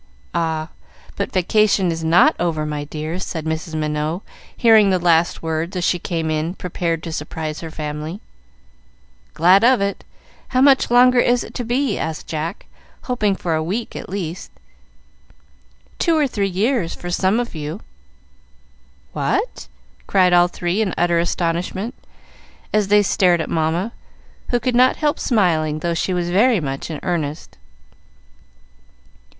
"Ah, but vacation is not over, my dears," said Mrs. Minot, hearing the last words as she came in prepared to surprise her family. "Glad of it. How much longer is it to be?" asked Jack, hoping for a week at least. "Two or three years for some of you." "What?" cried all three, in utter astonishment, as they stared at Mamma, who could not help smiling, though she was very much in earnest.